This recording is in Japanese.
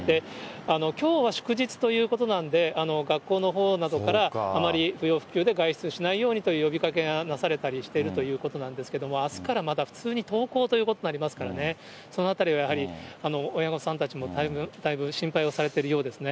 きょうは祝日ということなんで、学校のほうなどからあまり不要不急で外出しないようにという呼びかけがなされたりしているということなんですけど、あすからまた普通に登校ということになりますからね、そのあたりはやはり、親御さんたちもだいぶ心配をされてるようですね。